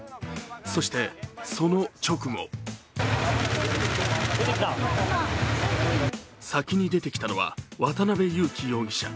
そして、その直後先に出てきたのは渡辺優樹容疑者。